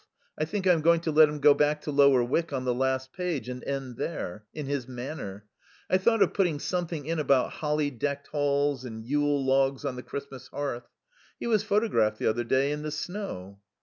I think I'm going to let him go back to Lower Wyck on the last page and end there. In his Manor. I thought of putting something in about holly decked halls and Yule logs on the Christmas hearth. He was photographed the other day. In the snow."